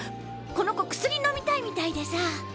この子薬飲みたいみたいでさぁ。